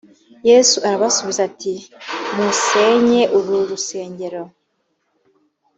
yesu arabasubiza ati musenye uru rusengero